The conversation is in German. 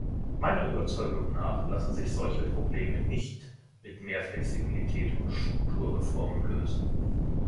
Meiner Überzeugung nach lassen sich solche Probleme nicht mit mehr Flexibilität und Strukturreformen lösen.